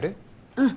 うん。